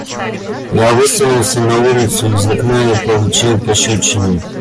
Я высунулся на улицу из окна и получил пощёчину.